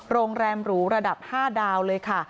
โรงแรมหรูระดับ๕ดาวเลยค่ะ